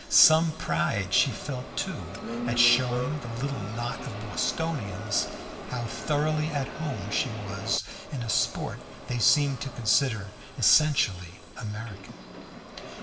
Some pride she felt, too, at showing the little knot of Bostonians how thoroughly at home she was in a sport they seemed to consider essentially American.